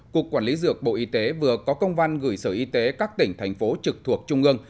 cục quản lý dược bộ y tế vừa có công văn gửi sở y tế các tỉnh thành phố trực thuộc trung ương